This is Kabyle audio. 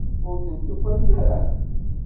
Ur ten-tufamt ara?